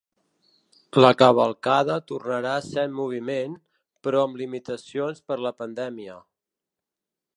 La cavalcada tornarà a ser en moviment, però amb limitacions per la pandèmia.